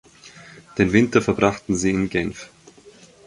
Den Winter verbrachten sie in Genf.